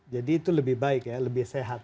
jadi itu lebih baik ya lebih sehat